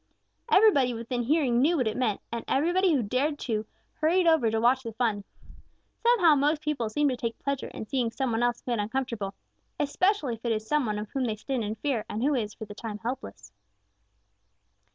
Everybody within hearing knew what it meant, and everybody who dared to hurried over to watch the fun. Somehow most people seem to take pleasure in seeing some one else made uncomfortable, especially if it is some one of whom they stand in fear and who is for the time being helpless.